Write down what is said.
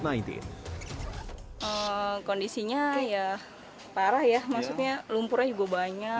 kondisinya ya parah ya maksudnya lumpurnya juga banyak